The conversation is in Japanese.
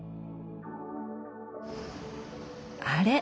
あれ？